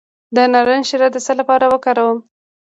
د نارنج شیره د څه لپاره وکاروم؟